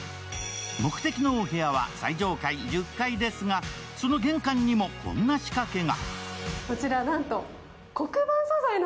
目的のお部屋は最上階１０階ですが、その玄関にもこんな仕掛けが。